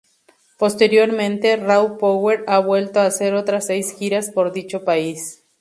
Posteriormente, Raw Power ha vuelto a hacer otras seis giras por dicho país.